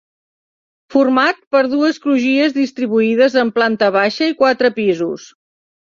Format per dues crugies distribuïdes en planta baixa i quatre pisos.